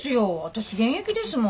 私現役ですもん。